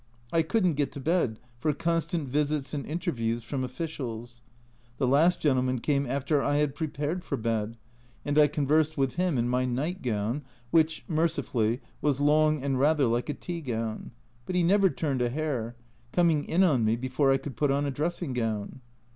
I couldn't get to bed for constant visits and interviews from officials ; the last gentleman came after I had prepared for bed, and I conversed with him in my night gown (which, mercifully, was long and rather like a tea gown), but he never turned a hair coming in on me before I could put on a dressing gown.